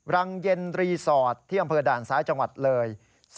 รังเย็นรีสอร์ทที่อำเภอด่านซ้ายจังหวัดเลย